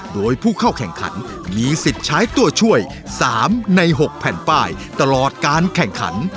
โดยผู้เข้าแข่งขันมีสิทธิ์ใช้ตัวช่วย๓ใน๖แผ่นป้ายตลอดการแข่งขัน